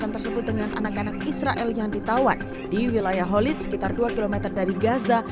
tersebut dengan anak anak israel yang ditawan di wilayah holid sekitar dua km dari gaza